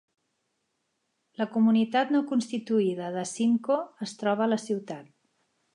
La comunitat no constituïda de Symco es troba a la ciutat.